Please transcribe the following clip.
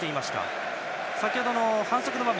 先程の反則の場面。